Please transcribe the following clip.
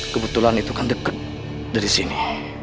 kebetulan itu kan dekat dari sini